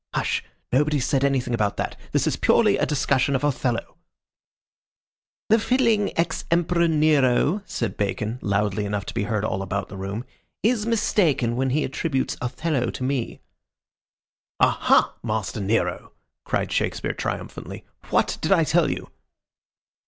"Hush. Nobody's said anything about that. This is purely a discussion of Othello." "The fiddling ex Emperor Nero," said Bacon, loudly enough to be heard all about the room, "is mistaken when he attributes Othello to me." "Aha, Master Nero!" cried Shakespeare triumphantly. "What did I tell you?"